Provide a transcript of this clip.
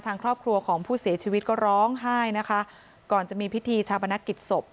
ทางครอบครัวของผู้เสียชีวิตก็ร้องไห้นะคะก่อนจะมีพิธีชาปนกิจศพ